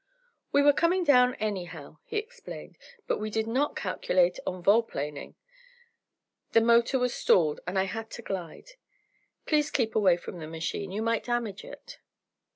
"We were coming down anyhow," he explained, "but we did not calculate on vol planing. The motor was stalled, and I had to glide. Please keep away from the machine. You might damage it."